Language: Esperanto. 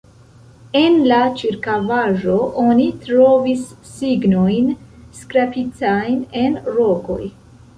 En la ĉirkaŭaĵo oni trovis signojn skrapitajn en rokoj.